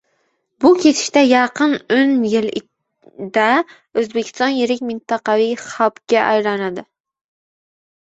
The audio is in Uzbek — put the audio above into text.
Bu ketishda yaqin oʻn yilda Oʻzbekiston yirik mintaqaviy xabga aylanadi.